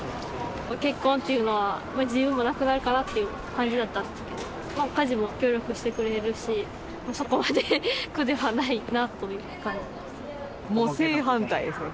結婚っていうのは、自由もなくなるかなっていう感じだったんですけど、家事も協力してくれるし、そこまで苦ではないなという感じですね。